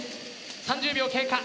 ３０秒経過。